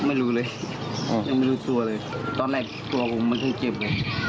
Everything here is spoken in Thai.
ไม่รู้เลยอืมยังไม่รู้ตัวเลยตอนแรกตัวผมไม่เคยเก็บเลย